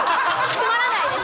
つまらないです